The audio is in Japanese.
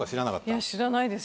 いや知らないです